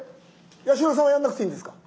八代さんはやんなくていいんですか？